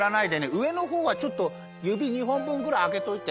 うえのほうはちょっとゆび２本分ぐらいあけといて。